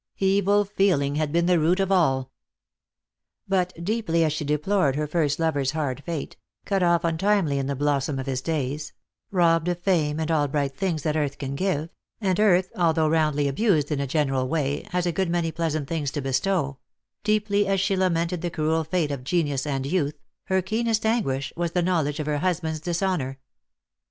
Evil feeling had been the root of all. But deeply as she deplored her first lover's hard fate — cut off untimely in the blossom of his days — robbed of fame and all bright things that earth can giye — and earth, although roundly abused in a general way, has a good many pleasant things to bestow — deeply as she lamented the cruel fate of genius and youth, her keenest anguish was the knowledge of her husband's dishonour.